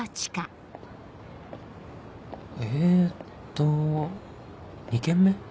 えっと２軒目？